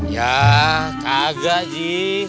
ya kagak ji